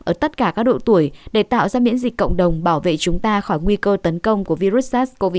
ở tất cả các độ tuổi để tạo ra miễn dịch cộng đồng bảo vệ chúng ta khỏi nguy cơ tấn công của virus sars cov hai